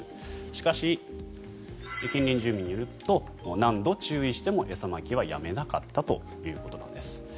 しかし、近隣住民によると何度注意しても餌まきはやめなかったということです。